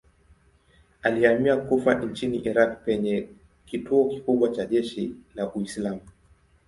Alihamia Kufa nchini Irak penye kituo kikubwa cha jeshi la Uislamu.